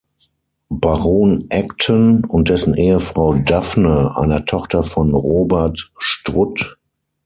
Baron Acton und dessen Ehefrau Daphne, einer Tochter von Robert Strutt.